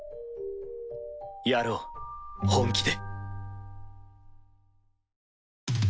やろう本気で！